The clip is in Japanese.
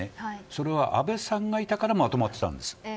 それは安倍さんがいたからまとまっていたんです。